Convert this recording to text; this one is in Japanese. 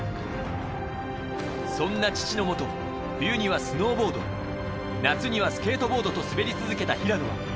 そんな父のもと、冬にはスノーボード、夏にはスケートボードと、滑り続けた平野。